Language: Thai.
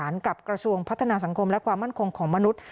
ก็จะต้องประสานกับกระทรวงพัฒนาสังคมและความมั่นคงของมนุษย์